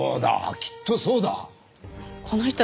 きっとそうだ。